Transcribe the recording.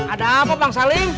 ada apa bang salim